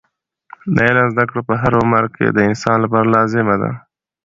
د علم زده کړه په هر عمر کې د انسان لپاره لازمه ده.